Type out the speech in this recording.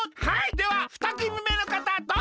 では３くみめのかたどうぞ！